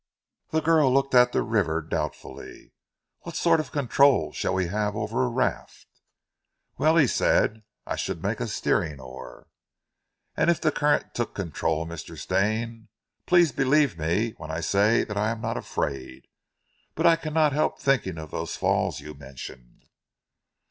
The girl looked at the river doubtfully. "What sort of control shall we have over a raft?" "Well," he said, "I should make a steering oar." "And if the current took control, Mr. Stane? Please believe me when I say I am not afraid but I cannot help thinking of those falls you mentioned."